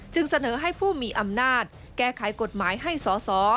เสนอให้ผู้มีอำนาจแก้ไขกฎหมายให้สอสอ